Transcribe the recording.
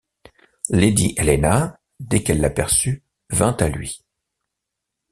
Lady Helena, dès qu’elle l’aperçut, vint à lui.